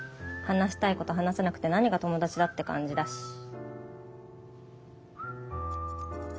話したいこと話せなくて何が友達だって感じだし。